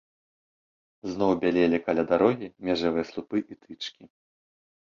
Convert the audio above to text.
Зноў бялелі каля дарогі межавыя слупы і тычкі.